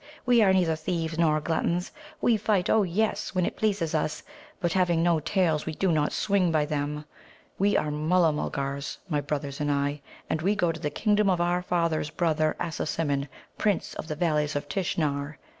We are neither thieves nor gluttons. We fight, oh yes, when it pleases us. But having no tails, we do not swing by them. We are Mulla mulgars, my brothers and I, and we go to the kingdom of our father's brother, Assasimmon, Prince of the Valleys of Tishnar.